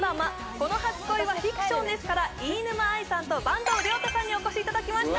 「この初恋はフィクションです」から飯沼愛さんと坂東龍汰さんにお越しいただきました